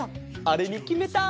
あれにきめた！